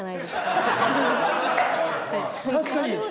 確かに。